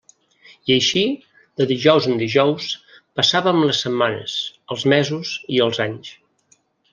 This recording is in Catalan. I així, de dijous en dijous, passàvem les setmanes, els mesos i els anys.